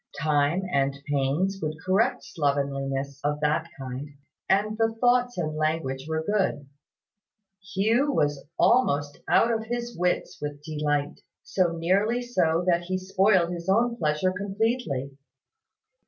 Time and pains would correct slovenliness of that kind; and the thoughts and language were good. Hugh was almost out of his wits with delight; so nearly so that he spoiled his own pleasure completely.